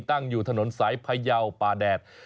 ตั้งอยู่ถนนสายพยาวป่าแดด